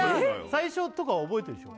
最初とか覚えてるでしょ